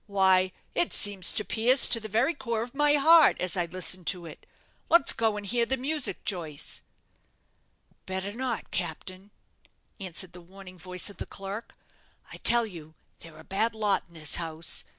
"Why, it seems to pierce to the very core of my heart as I listen to it. Let's go and hear the music, Joyce." "Better not, captain," answered the warning voice of the clerk. "I tell you they're a bad lot in this house.